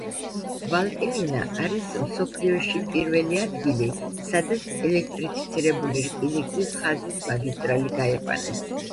ვალტელინა არის მსოფლიოში პირველი ადგილი, სადაც ელექტრიფიცირებული რკინიგზის ხაზის მაგისტრალი გაიყვანეს.